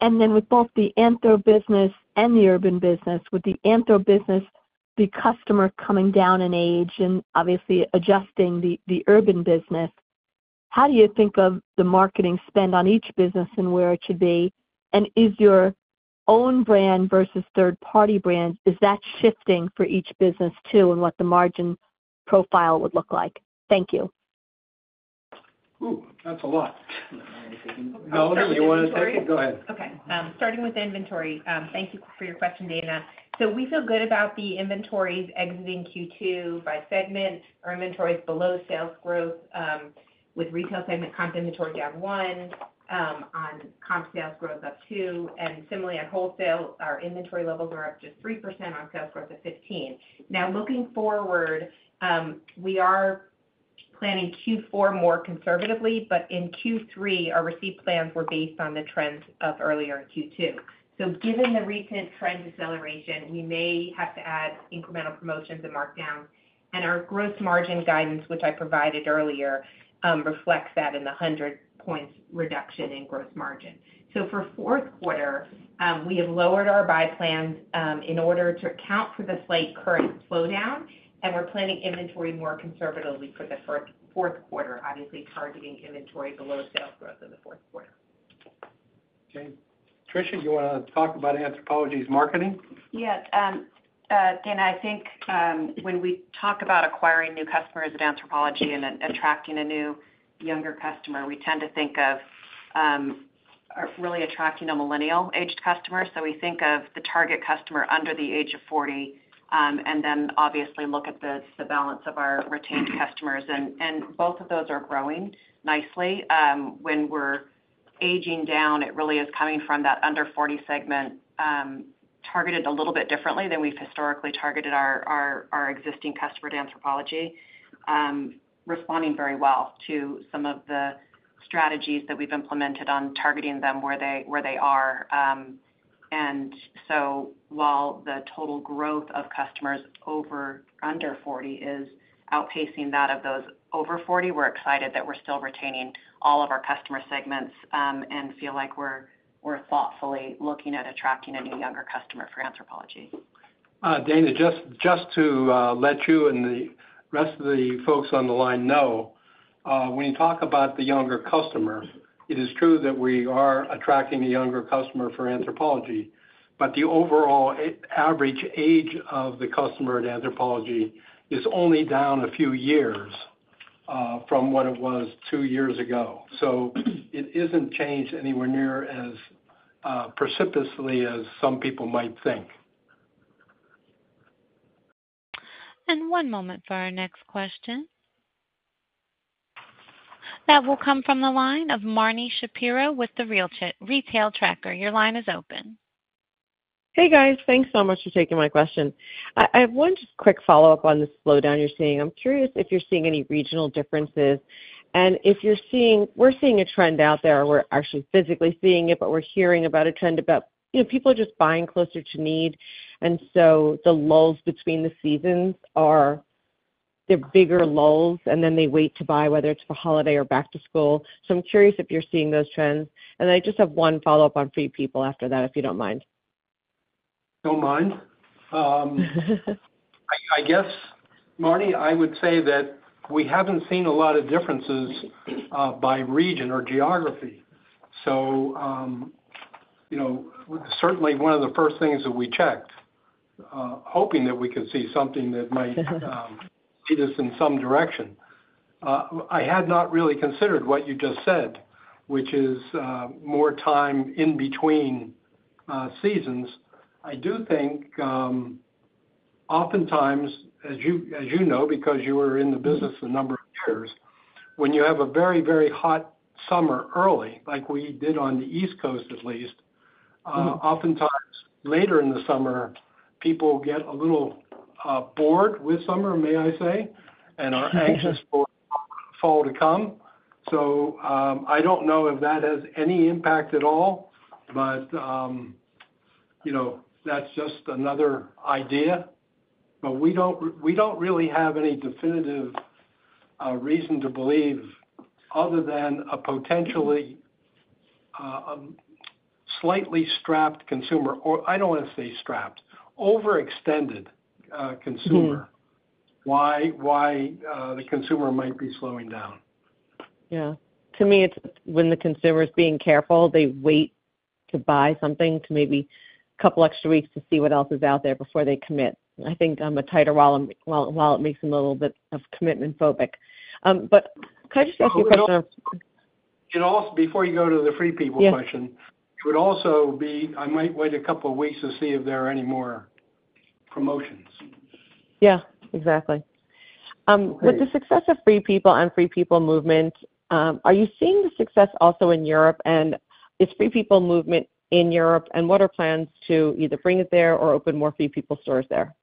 And then with both the Anthro business and the Urban business, with the Anthro business, the customer coming down in age and obviously adjusting the Urban business, how do you think of the marketing spend on each business and where it should be? And is your own brand versus third-party brands, is that shifting for each business, too, and what the margin profile would look like? Thank you.... Ooh, that's a lot. Melanie, you wanna take it? Go ahead. Okay, starting with inventory, thank you for your question, Dana. So we feel good about the inventories exiting Q2 by segment. Our inventory is below sales growth, with retail segment comp inventory down one, on comp sales growth up two, and similarly on wholesale, our inventory levels are up just 3% on sales growth of 15. Now, looking forward, we are planning Q4 more conservatively, but in Q3, our receipt plans were based on the trends of earlier Q2. So given the recent trend deceleration, we may have to add incremental promotions and markdowns, and our gross margin guidance, which I provided earlier, reflects that in the 100 points reduction in gross margin. So for fourth quarter, we have lowered our buy plans in order to account for the slight current slowdown, and we're planning inventory more conservatively for the fourth quarter, obviously targeting inventory below sales growth in the fourth quarter. Okay. Tricia, you wanna talk about Anthropologie's marketing? Yes. Dana, I think when we talk about acquiring new customers at Anthropologie and attracting a new younger customer, we tend to think of are really attracting a millennial-aged customer. So we think of the target customer under the age of forty, and then obviously look at the balance of our retained customers. And both of those are growing nicely. When we're aging down, it really is coming from that under forty segment, targeted a little bit differently than we've historically targeted our existing customer at Anthropologie. Responding very well to some of the strategies that we've implemented on targeting them where they are. And so while the total growth of customers under forty is outpacing that of those over forty, we're excited that we're still retaining all of our customer segments, and feel like we're thoughtfully looking at attracting a new younger customer for Anthropologie. Dana, just to let you and the rest of the folks on the line know, when you talk about the younger customer, it is true that we are attracting a younger customer for Anthropologie, but the overall average age of the customer at Anthropologie is only down a few years from what it was two years ago. So it isn't changed anywhere near as precipitously as some people might think. One moment for our next question. That will come from the line of Marni Shapiro with the Retail Tracker. Your line is open. Hey, guys. Thanks so much for taking my question. I have one just quick follow-up on the slowdown you're seeing. I'm curious if you're seeing any regional differences, and if you're seeing... We're seeing a trend out there, we're actually physically seeing it, but we're hearing about a trend about, you know, people are just buying closer to need, and so the lulls between the seasons are, they're bigger lulls, and then they wait to buy, whether it's for holiday or back to school. So I'm curious if you're seeing those trends. And I just have one follow-up on Free People after that, if you don't mind. Don't mind. I guess, Marni, I would say that we haven't seen a lot of differences by region or geography. So, you know, certainly one of the first things that we checked, hoping that we could see something that might lead us in some direction. I had not really considered what you just said, which is, more time in between seasons. I do think, oftentimes, as you know, because you were in the business a number of years, when you have a very, very hot summer early, like we did on the East Coast, at least, oftentimes later in the summer, people get a little bored with summer, may I say, and are anxious for fall to come. I don't know if that has any impact at all, but you know, that's just another idea. We don't really have any definitive reason to believe, other than a potentially slightly strapped consumer, or I don't want to say strapped, overextended consumer- Mm. Why, why, the consumer might be slowing down? Yeah. To me, it's when the consumer is being careful, they wait to buy something to maybe couple extra weeks to see what else is out there before they commit. I think, a tighter wallet, well, makes them a little bit of commitment-phobic. But could I just ask you a question? It also. Before you go to the Free People question. Yeah. It would also be, I might wait a couple of weeks to see if there are any more promotions. Yeah, exactly. With the success of Free People and FP Movement, are you seeing the success also in Europe? And is FP Movement in Europe, and what are plans to either bring it there or open more Free People stores there?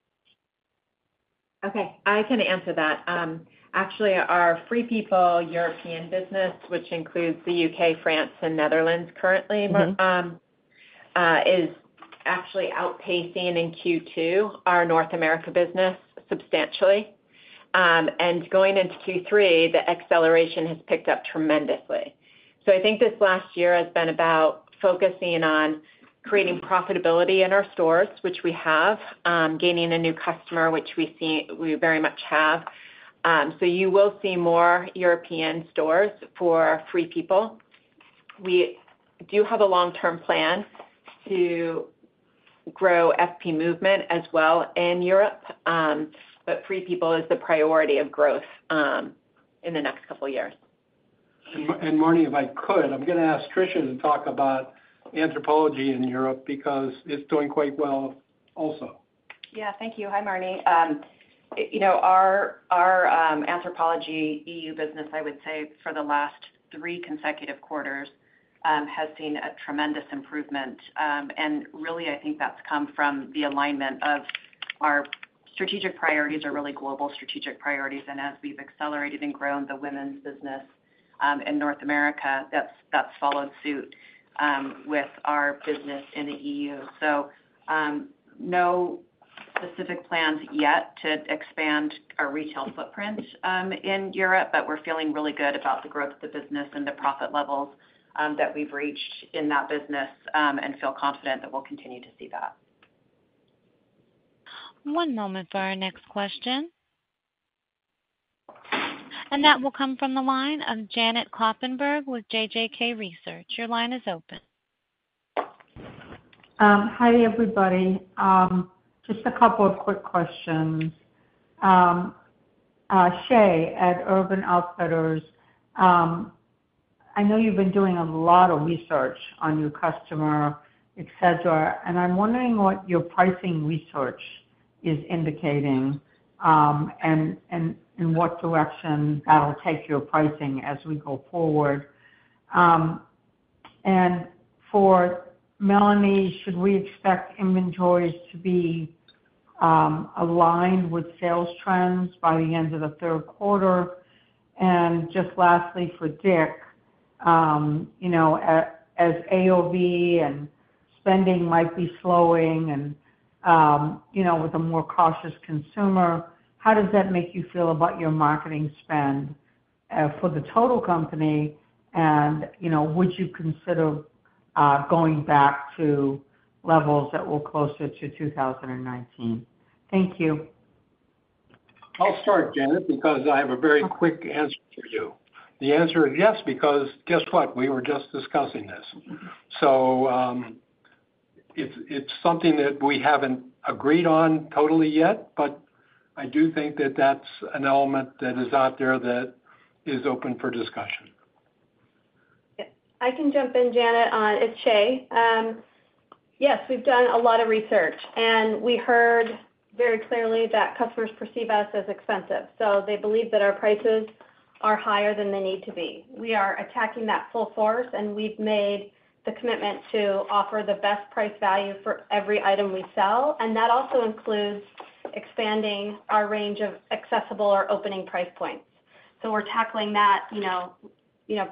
Okay, I can answer that. Actually, our Free People European business, which includes the U.K., France, and Netherlands currently- Mm-hmm... is actually outpacing in Q2 our North America business substantially, and going into Q3, the acceleration has picked up tremendously, so I think this last year has been about focusing on creating profitability in our stores, which we have, gaining a new customer, which we see, we very much have, so you will see more European stores for Free People.... We do have a long-term plan to grow FP Movement as well in Europe, but Free People is the priority of growth in the next couple years. Marni, if I could, I'm gonna ask Tricia to talk about Anthropologie in Europe, because it's doing quite well also. Yeah. Thank you. Hi, Marni. You know, our Anthropologie EU business, I would say for the last three consecutive quarters, has seen a tremendous improvement, and really, I think that's come from the alignment of our strategic priorities are really global strategic priorities, and as we've accelerated and grown the women's business, in North America, that's followed suit, with our business in the EU. So no specific plans yet to expand our retail footprint, in Europe, but we're feeling really good about the growth of the business and the profit levels, that we've reached in that business, and feel confident that we'll continue to see that. One moment for our next question. And that will come from the line of Janet Kloppenburg with JJK Research. Your line is open. Hi, everybody. Just a couple of quick questions. Shae, at Urban Outfitters, I know you've been doing a lot of research on your customer, et cetera, and I'm wondering what your pricing research is indicating, and in what direction that'll take your pricing as we go forward. And for Melanie, should we expect inventories to be aligned with sales trends by the end of the third quarter? And just lastly, for Dick, you know, as AOV and spending might be slowing and, you know, with a more cautious consumer, how does that make you feel about your marketing spend for the total company? And, you know, would you consider going back to levels that were closer to 2019? Thank you. I'll start, Janet, because I have a very quick answer for you. The answer is yes, because guess what? We were just discussing this. So, it's something that we haven't agreed on totally yet, but I do think that that's an element that is out there that is open for discussion. I can jump in, Janet, on... It's Shae. Yes, we've done a lot of research, and we heard very clearly that customers perceive us as expensive, so they believe that our prices are higher than they need to be. We are attacking that full force, and we've made the commitment to offer the best price value for every item we sell, and that also includes expanding our range of accessible or opening price points. So we're tackling that, you know,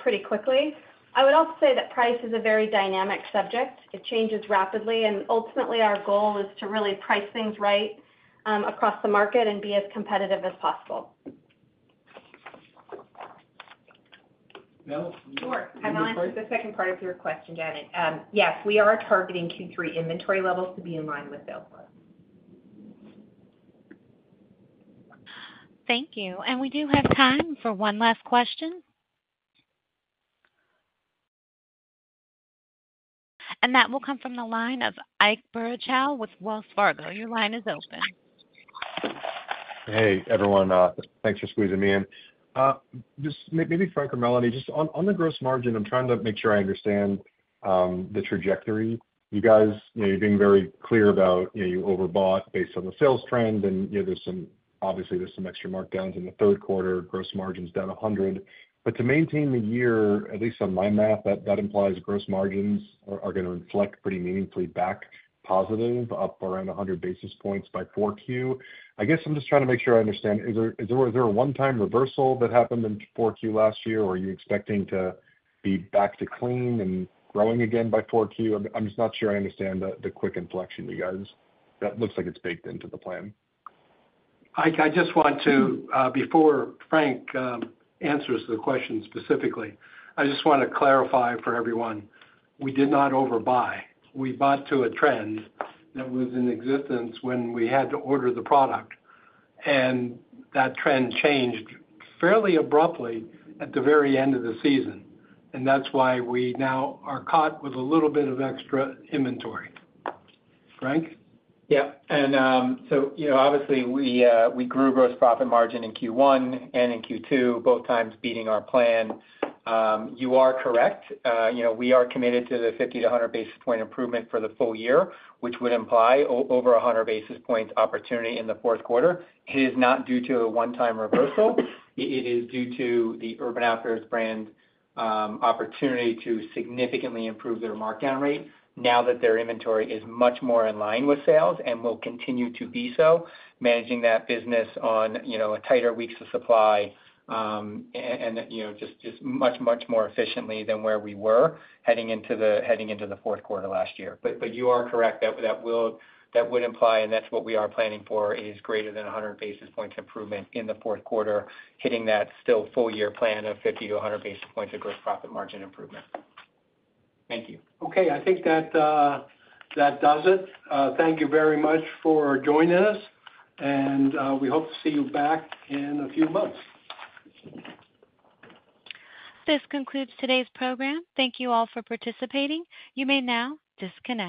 pretty quickly. I would also say that price is a very dynamic subject. It changes rapidly, and ultimately, our goal is to really price things right, across the market and be as competitive as possible. Mel? Sure. I'll answer the second part of your question, Janet. Yes, we are targeting Q3 inventory levels to be in line with sales growth. Thank you. And we do have time for one last question. And that will come from the line of Ike Boruchow with Wells FargoYour line is open. Hi, everyone, thanks for squeezing me in. Just, maybe Frank or Melanie, just on the gross margin, I'm trying to make sure I understand the trajectory. You guys, you know, you're being very clear about, you know, you overbought based on the sales trend, and, you know, obviously, there's some extra markdowns in the third quarter, gross margins down 100. But to maintain the year, at least on my math, that implies gross margins are gonna inflect pretty meaningfully back positive, up around 100 basis points by 4Q. I guess I'm just trying to make sure I understand, was there a one-time reversal that happened in 4Q last year, or are you expecting to be back to clean and growing again by 4Q? I'm just not sure I understand the quick inflection you guys... That looks like it's baked into the plan. Ike, I just want to, before Frank answers the question specifically, I just wanna clarify for everyone, we did not overbuy. We bought to a trend that was in existence when we had to order the product, and that trend changed fairly abruptly at the very end of the season, and that's why we now are caught with a little bit of extra inventory. Frank? Yeah, and, so you know, obviously, we, we grew gross profit margin in Q1 and in Q2, both times beating our plan. You are correct. You know, we are committed to the 50 to 100 basis point improvement for the full year, which would imply over 100 basis points opportunity in the fourth quarter. It is not due to a one-time reversal. It is due to the Urban Outfitters brand, opportunity to significantly improve their markdown rate now that their inventory is much more in line with sales and will continue to be so, managing that business on, you know, tighter weeks of supply, and, you know, just much more efficiently than where we were heading into the fourth quarter last year. You are correct, that would imply, and that's what we are planning for, is greater than 100 basis points improvement in the fourth quarter, hitting that still full year plan of 50-100 basis points of gross profit margin improvement. Thank you. Okay, I think that does it. Thank you very much for joining us, and we hope to see you back in a few months. This concludes today's program. Thank you all for participating. You may now disconnect.